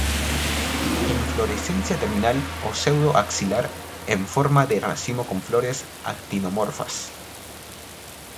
Inflorescencia terminal o pseudo axilar en forma de racimo con flores actinomorfas.